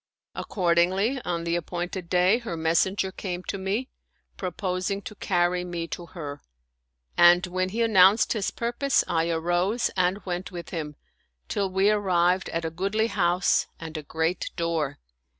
Accordingly, on the appointed day her messen ger came to me, proposing to carry me to her ; and when he announced his purpose I arose and went with him, till we arrived at a goodly house and a great door.